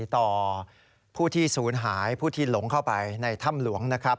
ต่อผู้ที่ศูนย์หายผู้ที่หลงเข้าไปในถ้ำหลวงนะครับ